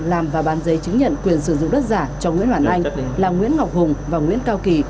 làm và bán giấy chứng nhận quyền sử dụng đất giả cho nguyễn hoàn anh là nguyễn ngọc hùng và nguyễn cao kỳ